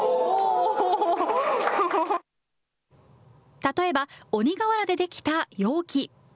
例えば、鬼瓦で出来た容器。